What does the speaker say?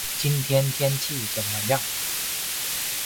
One novelisation of the series was released.